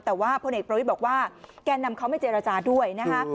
แต่ว่าพลเอกประวิทย์บอกว่าแก่นำเขาไม่เจรจาด้วยนะคะ